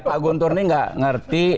pak guntur ini gak ngerti